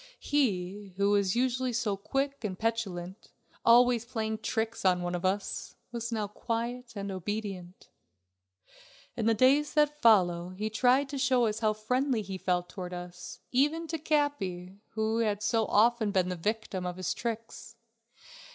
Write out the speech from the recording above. He, who was usually so quick and petulant, always playing tricks on one of us, was now quiet and obedient. In the days that followed he tried to show us how friendly he felt towards us, even to Capi, who had so often been the victim of his tricks.